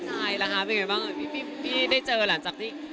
ใช่ล่ะคะเป็นไงบ้างพี่ได้เจอหลังจากที่